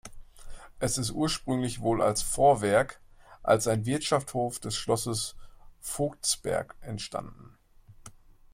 Es ist ursprünglich wohl als Vorwerk, als ein Wirtschaftshof des Schlosses Voigtsberg, entstanden.